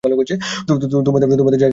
তোমাদের যার যে কাজ, সেটা কর।